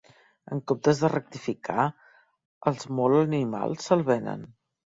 En comptes de rectificar, els molt animals se'l venen.